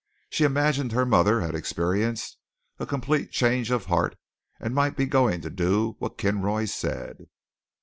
She imagined her mother had experienced a complete change of heart and might be going to do what Kinroy said.